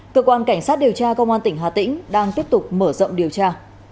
cơ quan cảnh sát điều tra công an tỉnh hà tĩnh đang tiếp tục mở rộng điều tra